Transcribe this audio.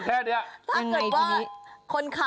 เบอร์รงหล่อพระ